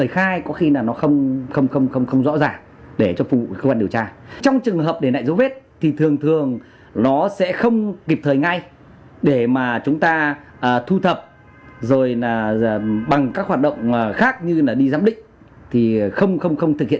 không không không thực hiện ngay để qua một thời gian nhất định nào đó